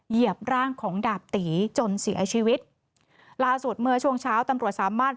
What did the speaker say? เหยียบร่างของดาบตีจนเสียชีวิตล่าสุดเมื่อช่วงเช้าตำรวจสามารถ